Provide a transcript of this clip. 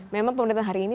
memang pemerintahan hari ini